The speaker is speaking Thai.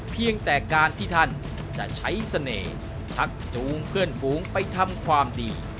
เพียงแต่การที่ท่านจะใช้เสน่ห์ชักจูงเพื่อนฝูงไปทำความดี